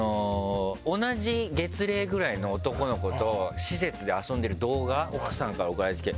同じ月齢ぐらいの男の子と施設で遊んでる動画奥さんから送られて来て。